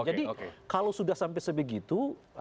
jadi kalau sudah sampai sebegitu